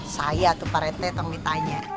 saya tuh pak rt yang ditanya